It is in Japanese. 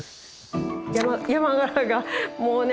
ヤマガラがもうね